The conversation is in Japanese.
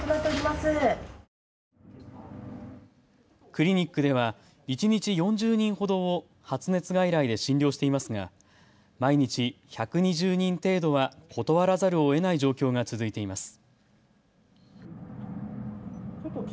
クリニックでは一日４０人ほどを発熱外来で診療していますが毎日１２０人程度は断らざるをえない状況が続いています。